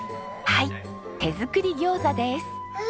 はい手作り餃子です。